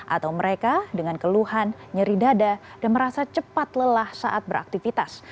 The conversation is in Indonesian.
atau mereka dengan keluhan nyeri dada dan merasa cepat lelah saat beraktivitas